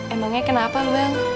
emangnya kenapa lu bang